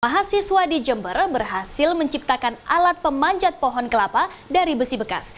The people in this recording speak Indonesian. mahasiswa di jember berhasil menciptakan alat pemanjat pohon kelapa dari besi bekas